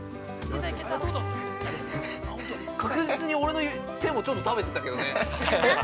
確実に俺の手もちょっと食べてたけどね。